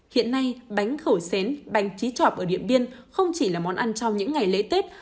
hiện nay bánh khẩu xén bánh chí chọp ở điện biên không chỉ là món ăn trong những ngày lễ tết